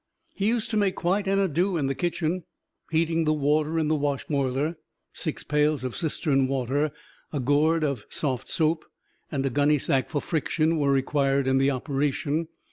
He used to make quite an ado in the kitchen, heating the water in the wash boiler. Six pails of cistern water, a gourd of soft soap, and a gunny sack for friction were required in the operation.